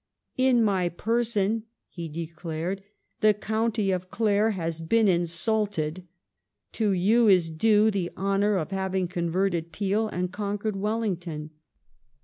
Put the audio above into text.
" In my pei son," he declared, " the County of Clare has been insulted. To you is due the honour of having converted Peel and conquered Wellington."